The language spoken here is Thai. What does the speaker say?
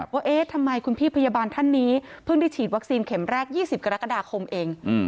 ว่าเอ๊ะทำไมคุณพี่พยาบาลท่านนี้เพิ่งได้ฉีดวัคซีนเข็มแรก๒๐กรกฎาคมเอง